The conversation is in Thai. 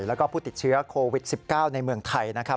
แล้วก็ผู้ติดเชื้อโควิด๑๙ในเมืองไทยนะครับ